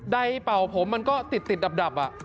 เป่าผมมันก็ติดดับ